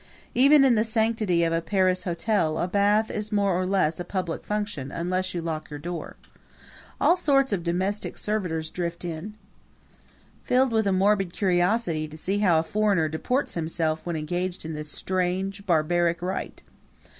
Even in the sanctity of a Paris hotel a bath is more or less a public function unless you lock your door. All sorts of domestic servitors drift in, filled with a morbid curiosity to see how a foreigner deports himself when engaged in this strange, barbaric rite.